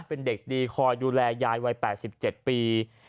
เป็นเด็กดีคอยดูแลยายวัย๘๗ปี